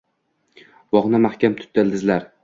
Bog‘ni mahkam tutdi ildizlar